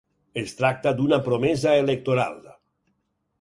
Es tracta d’una promesa electoral.